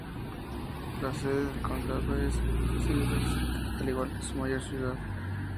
La sede del condado es Silver City, al igual que su mayor ciudad.